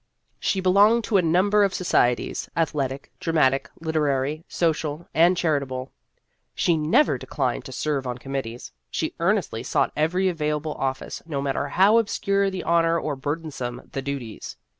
She belonged to a number of societies athletic, dramatic, literary, social, and charitable ; she never declined to serve on committees ; she earnestly sought every available office, no matter how obscure the honor or burdensome the duties.